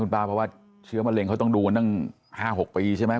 คุณป้าเพราะเชื้อมะเร็งมันอยู่ตั้ง๕๖ปี